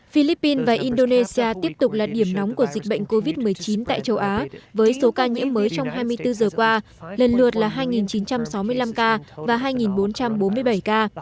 philippines và indonesia tiếp tục là điểm nóng của dịch bệnh covid một mươi chín tại châu á với số ca nhiễm mới trong hai mươi bốn giờ qua lần lượt là hai chín trăm sáu mươi năm ca và hai bốn trăm bốn mươi bảy ca